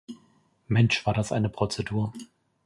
Mensch, war das eine Prozedur!